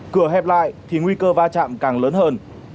cửa hẹp lại thì nguy cơ va chạm càng lớn hơn